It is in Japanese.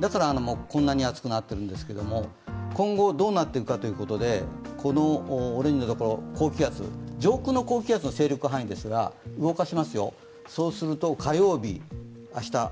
だからこんなに暑くなっているんですけれども、今後どうなっていくかということでこのオレンジのところ、上空の高気圧の勢力範囲ですが動かしますよ、火曜日、明日。